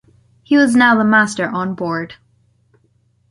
He was now the master on board.